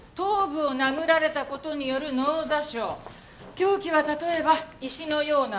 凶器は例えば石のようなもの。